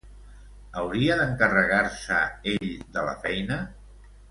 Hauria d'encarregar-se ell de la feina?